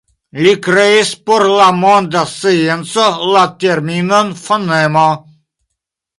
Li kreis por la monda scienco la terminon fonemo.